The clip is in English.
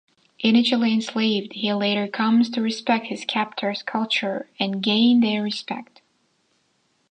Initially enslaved, he later comes to respect his captors' culture and gains their respect.